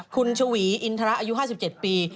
คุณชวีอินทระอายุ๕๗ปี